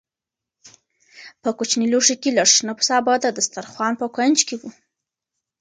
په کوچني لوښي کې لږ شنه سابه د دسترخوان په کونج کې وو.